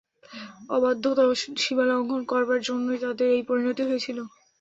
অবাধ্যতা ও সীমালংঘন করবার জন্যই তাদের এই পরিণতি হয়েছিল।